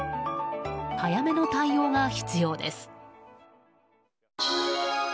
早めの対応が必要です。